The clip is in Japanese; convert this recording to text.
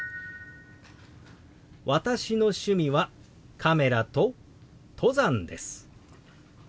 「私の趣味はカメラと登山です」。